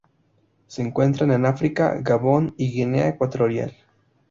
Se encuentran en África: Gabón y Guinea Ecuatorial.